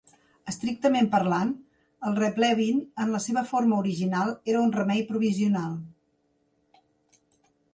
Estrictament parlant, el replevin en la seva forma original era un remei provisional.